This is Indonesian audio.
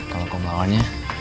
kalau kau melawannya